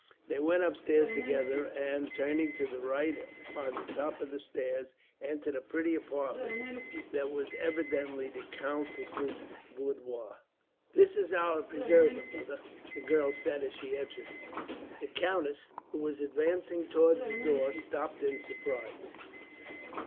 They went upstairs together and, turning to the right on the top of the stairs, entered a pretty apartment that was evidently the countess's boudoir. "This is our preserver, mother," the girl said, as she entered. The countess, who was advancing towards the door, stopped in surprise.